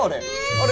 あれ。